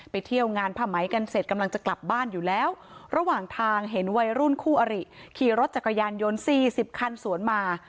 เที่ยวงานผ้าไหมกันเสร็จกำลังจะกลับบ้านอยู่แล้วระหว่างทางเห็นวัยรุ่นคู่อริขี่รถจักรยานยนต์๔๐คันสวนมา